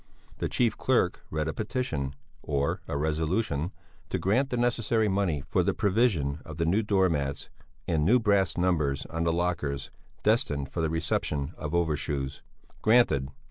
The chief clerk read a petition, or a resolution, to grant the necessary money for the provision of new door mats and new brass numbers on the lockers destined for the reception of overshoes. Granted!